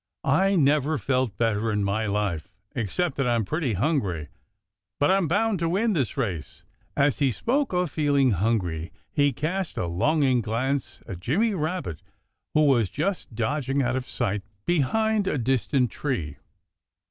I never felt better in my life, except that I'm pretty hungry. But I'm bound to win this race." As he spoke of feeling hungry he cast a longing glance at Jimmy Rabbit, who was just dodging out of sight behind a distant tree.